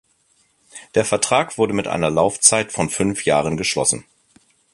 Der Vertrag wurde mit einer Laufzeit von fünf Jahren geschlossen.